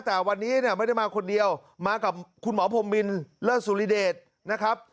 แต่วันนี้เนี่ยไม่ได้มาคนเดียวมากับคุณหมอพรมมินเลิศสุริเดชนะครับ